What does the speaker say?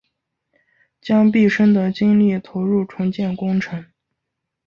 将毕生的精力投入重建工程